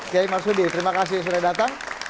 k h marsudi terima kasih sudah datang